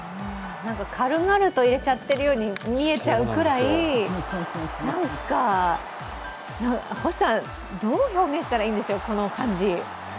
軽々と入れちゃってるように見えちゃうぐらいなんか星さん、どう表現したらいいんでしょう、この感じ？